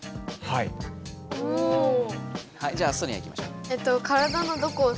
はいじゃあソニアいきましょう。